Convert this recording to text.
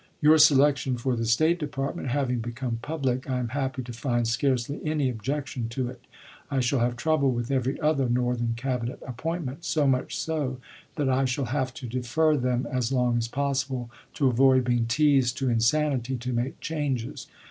Your selection for the State Department having become public, I am happy to find scarcely any objection to it. I shall have trouble with every other Northern Cabinet appointment, so much so that I shall have to defer them as long as possible, to avoid being teased to insanity to make changes.